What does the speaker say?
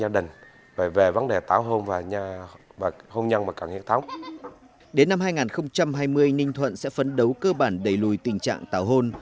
đến năm hai nghìn hai mươi ninh thuận sẽ phấn đấu cơ bản đầy lùi tình trạng tàu hôn